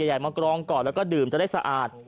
ใหญ่มากรองก่อนแล้วก็ดื่มจะได้สะอาด